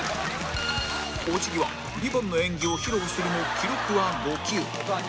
落ち際リボンの演技を披露するも記録は５球